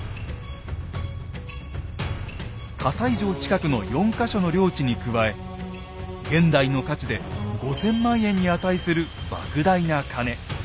西城近くの４か所の領地に加え現代の価値で５，０００万円に値する莫大な金。